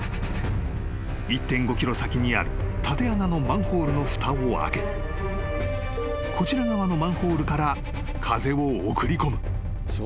［１．５ｋｍ先にある縦穴のマンホールのふたを開けこちら側のマンホールから風を送り込む］